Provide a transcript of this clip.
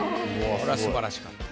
これはすばらしかった。